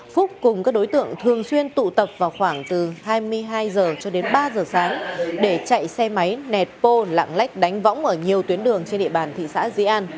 phúc cùng các đối tượng thường xuyên tụ tập vào khoảng từ hai mươi hai h ba h sáng để chạy xe máy nẹt pô lặng lách đánh võng ở nhiều tuyến đường trên địa bàn tp hcm